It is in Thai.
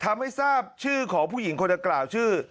ทำให้ทราบชื่อของผู้หญิงคนดังกล่าวชื่อ